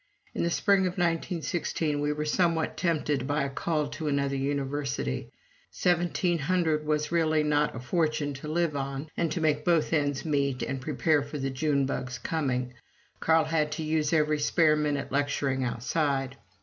In the spring of 1916 we were somewhat tempted by a call to another University $1700 was really not a fortune to live on, and to make both ends meet and prepare for the June Bug's coming, Carl had to use every spare minute lecturing outside.